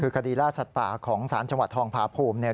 คือคดีล่าศัตริป่าของศาลจังหวัดทองผาภูมิ